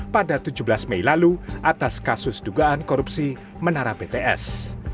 pada tujuh belas mei lalu atas kasus dugaan korupsi menara pts